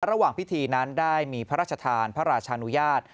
ระหว่างพิธีนั้นได้มีพระราชทานพระราชานุญาต